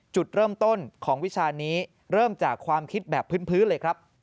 จุดเริ่มต้นของวิชานี้เริ่มจากความคิดแบบพื้นเลยครับ